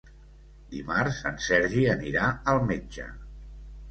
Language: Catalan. Dimarts en Sergi anirà al metge.